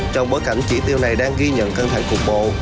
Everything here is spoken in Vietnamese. trong bối cảnh chỉ tiêu này đang ghi nhận cân thẳng cục bộ